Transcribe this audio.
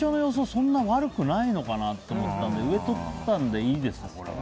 そんなに悪くないのかなと思ったので上とったんでいいですか、これは。